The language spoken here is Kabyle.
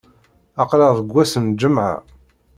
Aql-aɣ deg ass n lǧemɛa.